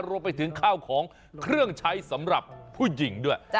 รวมไปถึงข้าวของเครื่องใช้สำหรับผู้หญิงด้วย